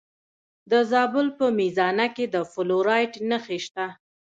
د زابل په میزانه کې د فلورایټ نښې شته.